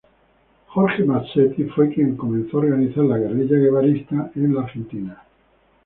Jorge Masetti fue quien comenzó a organizar la guerrilla guevarista en la Argentina.